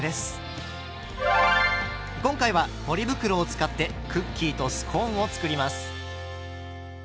今回はポリ袋を使ってクッキーとスコーンを作ります。